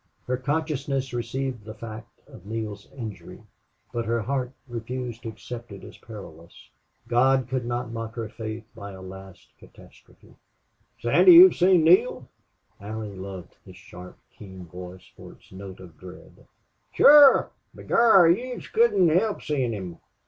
Her consciousness received the fact of Neale's injury, but her heart refused to accept it as perilous. God could not mock her faith by a last catastrophe. "Sandy you've seen Neale?" Allie loved this sharp, keen voice for its note of dread. "Shure. B'gorra, yez couldn't hilp seein' him.